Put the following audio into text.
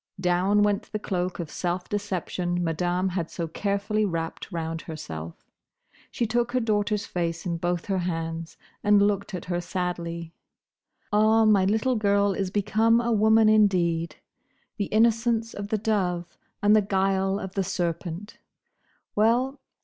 Down went the cloak of self deception Madame had so carefully wrapped round herself. She took her daughter's face in both her hands and looked at her sadly. "Ah! my little girl is become a woman indeed! The innocence of the dove, and the guile of the serpent!—Well!